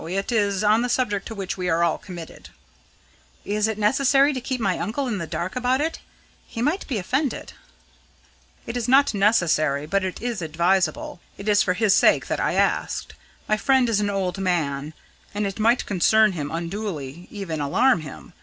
It is on the subject to which we are all committed." "Is it necessary to keep my uncle in the dark about it? He might be offended." "It is not necessary; but it is advisable. It is for his sake that I asked. My friend is an old man, and it might concern him unduly even alarm him.